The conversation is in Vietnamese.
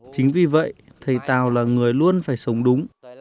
chính vì vậy thầy tào là người luôn phải sống đúng